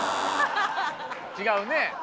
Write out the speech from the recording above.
違うね。